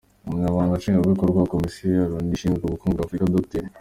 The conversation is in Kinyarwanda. Umunyamabanga Nshingwabikorwa wa Komisiyo ya Loni ishinzwe ubukungu bwa Afurika, Dr.